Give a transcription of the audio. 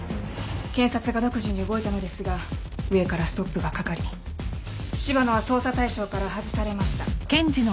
検察が独自に動いたのですが上からストップがかかり柴野は捜査対象から外されました